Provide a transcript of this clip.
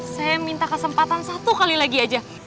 saya minta kesempatan satu kali lagi aja